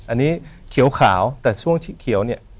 อันนี้เขียวขาวแต่ช่วงเขียวเนี่ย